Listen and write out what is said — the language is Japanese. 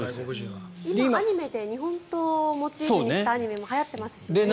アニメで日本刀をモチーフにしたアニメもはやってますしね。